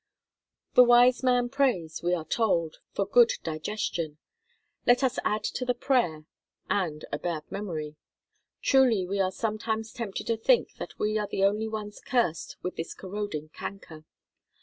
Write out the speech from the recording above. The wise man prays, we are told, for a good digestion: let us add to the prayer—and a bad memory. Truly we are sometimes tempted to think that we are the only ones cursed with this corroding canker.